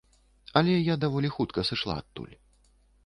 Але я даволі хутка сышла адтуль.